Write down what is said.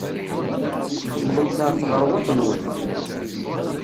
Tewwḍemt ɣer tɣerwaḍt-nwent.